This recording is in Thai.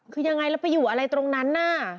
คือยังไงแล้วไปอยู่อะไรตรงนั้นน่ะ